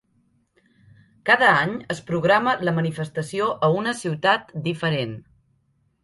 Cada any es programa la manifestació a una ciutat diferent.